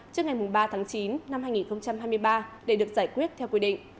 trước ngày ba tháng chín năm hai nghìn hai mươi ba để được giải quyết theo quy định